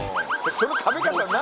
その食べ方何？